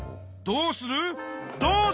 どうする！？